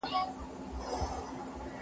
مورنۍ ژبه څنګه د زده کړې پوهه پياوړې کوي؟